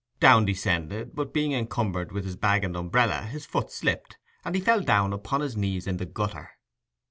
Downe descended, but being encumbered with his bag and umbrella, his foot slipped, and he fell upon his knees in the gutter.